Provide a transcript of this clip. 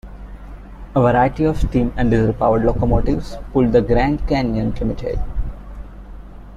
A variety of steam- and diesel-powered locomotives pulled the "Grand Canyon Limited".